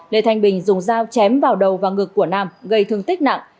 lê thanh bình dùng dao chém vào đầu và ngực của nam gây thương tích nặng